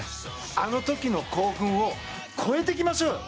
あの時の興奮を超えていきましょう。